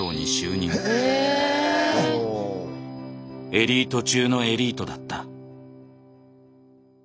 エリート中のエリートだった。